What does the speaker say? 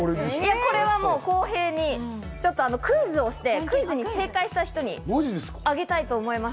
これは公平にクイズをして、クイズに正解した人にあげたいと思います。